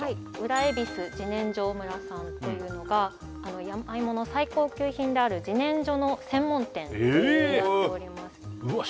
裏恵比寿自然生村さんというのが山芋の最高級品である自然薯の専門店となっております